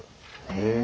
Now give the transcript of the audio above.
へえ。